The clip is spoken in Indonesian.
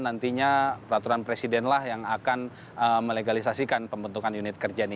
nantinya peraturan presiden lah yang akan melegalisasikan pembentukan unit kerja ini